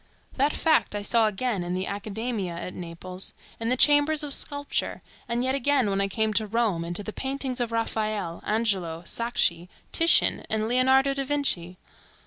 That fact I saw again in the Academmia at Naples, in the chambers of sculpture, and yet again when I came to Rome and to the paintings of Raphael, Angelo, Sacchi, Titian, and Leonardo da Vinci.